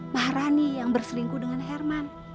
mahrani yang berselingkuh dengan herman